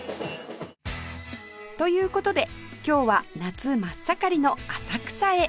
という事で今日は夏真っ盛りの浅草へ